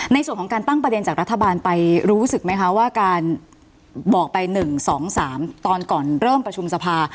ในส่วนของการตั้งประเด็นจากรัฐบาลไปรู้สึกไหมคะว่าการบอกไป๑๒๓ตอนก่อนเริ่มประชุมสภา